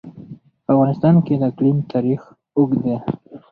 په افغانستان کې د اقلیم تاریخ اوږد دی.